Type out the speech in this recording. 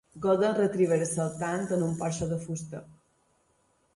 Golden retriever saltant en un porxo de fusta